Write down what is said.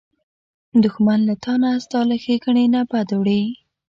دښمن له تا نه، ستا له ښېګڼې نه بد وړي